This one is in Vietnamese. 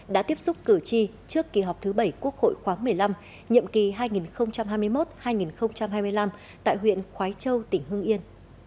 đã tiếp xúc cử tri trước kỳ họp thứ bảy quốc hội khoáng một mươi năm nhiệm kỳ hai nghìn hai mươi một hai nghìn hai mươi năm tại huyện khói châu tỉnh hương yên